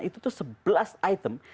itu tuh sebelas item